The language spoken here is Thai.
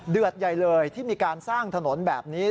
เดือดใหญ่เลยที่มีการสร้างถนนแบบนี้